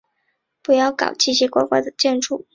不要搞奇奇怪怪的建筑。